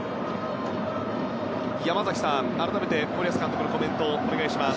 山崎さん、改めて森保監督のコメントをお願いします。